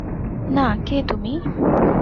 না, কে তুমি?